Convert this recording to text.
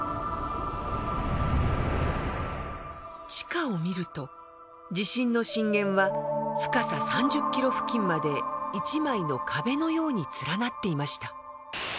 地下を見ると地震の震源は深さ３０キロ付近まで１枚の壁のように連なっていました。